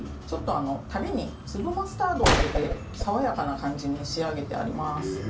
たれに粒マスタードを入れて爽やかな感じに仕上げてあります。